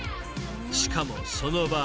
［しかもそのバー